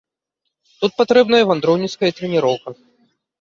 Тут патрэбная вандроўніцкая трэніроўка.